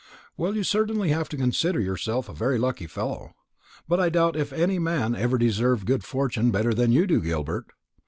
"Well, you certainly have reason to consider yourself a very lucky fellow; but I doubt if any man ever deserved good fortune better than you do, Gilbert.